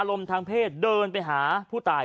ชาวบ้านญาติโปรดแค้นไปดูภาพบรรยากาศขณะ